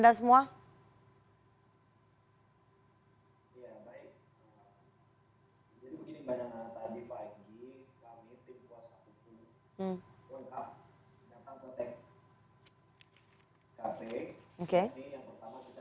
perempuan yang sudah mengandalkannya